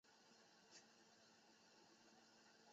白栎为壳斗科栎属的植物。